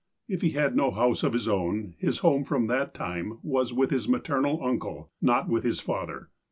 (If he had no house of his own, his home from that time was with his maternal uncle, not with his father.)